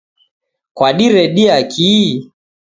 Kwadiredia kii?